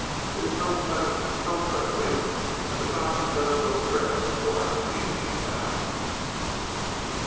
It is so pleasant and so friendly and the Doctor does so dread to go out evenings now."